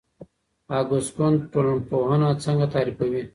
اګوست کُنت ټولنپوهنه څنګه تعریفوي؟